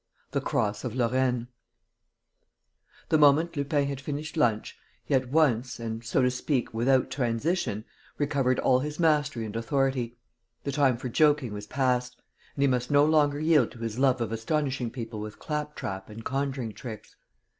THE CROSS OF LORRAINE The moment Lupin had finished lunch, he at once and, so to speak, without transition, recovered all his mastery and authority. The time for joking was past; and he must no longer yield to his love of astonishing people with claptrap and conjuring tricks.